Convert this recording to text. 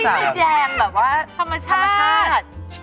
สักที่สุดแดงแบบว่าธรรมชาติ